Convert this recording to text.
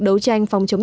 đấu tranh phòng chống